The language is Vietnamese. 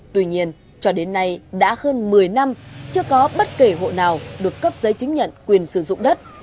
tuy nhiên cho đến nay đã hơn một mươi năm chưa có bất kể hộ nào được cấp giấy chứng nhận quyền sử dụng đất